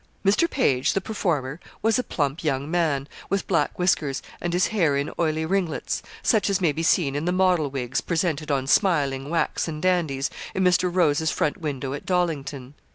Mr. Page, the performer, was a plump young man, with black whiskers, and his hair in oily ringlets, such as may be seen in the model wigs presented on smiling, waxen dandies, in Mr. Rose's front window at Dollington.